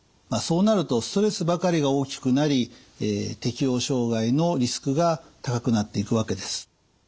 そうなるとストレスばかりが大きくなり適応障害のリスクが高くなっていくわけです。